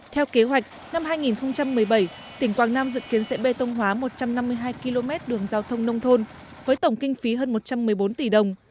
theo kế hoạch năm hai nghìn một mươi bảy tỉnh quảng nam dự kiến sẽ bê tông hóa một trăm năm mươi hai km đường giao thông nông thôn với tổng kinh phí hơn một trăm một mươi bốn tỷ đồng